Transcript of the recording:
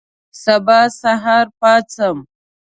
سبا سهار پاڅم